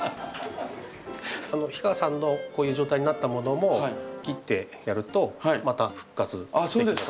氷川さんのこういう状態になったものも切ってやるとまた復活できます。